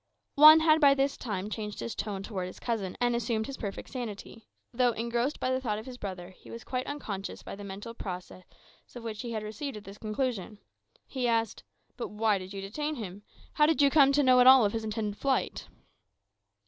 Juan had by this time changed his tone towards his cousin, and assumed his perfect sanity; though, engrossed by the thought of his brother, he was quite unconscious of the mental process by which he had arrived at this conclusion. He asked, "But why did you detain him? How did you come to know at all of his intended flight?"